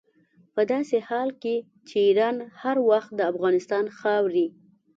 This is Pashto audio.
په داسې حال کې چې ایران هر وخت د افغانستان خاورې.